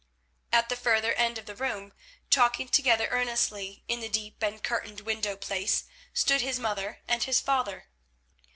At the further end of the room, talking together earnestly in the deep and curtained window place, stood his mother and his father.